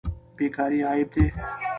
بیکاري عیب دی.